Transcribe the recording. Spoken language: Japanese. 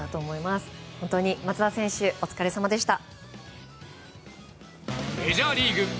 本当に松田選手お疲れさまでした。